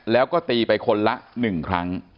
แล้วก็ตีไปคนละ๑ครั้ง